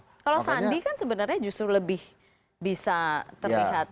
kalau sandi kan sebenarnya justru lebih bisa terlihat